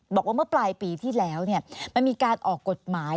บอกว่าเมื่อปลายปีที่แล้วมันมีการออกกฎหมาย